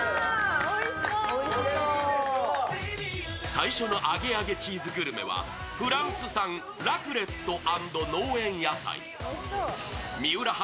最初のアゲアゲチーズグルメはフランス産ラクレット＆農園